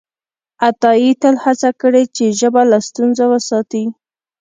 عطایي تل هڅه کړې چې ژبه له ستونزو وساتي.